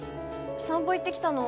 散歩行ってきたの？